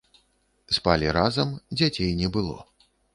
Спалі разам, дзяцей не было.